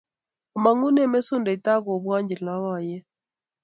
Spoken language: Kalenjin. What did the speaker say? Omang'unen mesundeito agobwonchi loboyet.